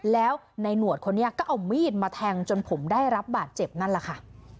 แล้วในหนวดคนนี้ก็เอามีดมาแทงจนผมได้รับบาดเจ็บนั่นแหละค่ะ